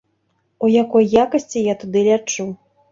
У якой якасці я туды лячу?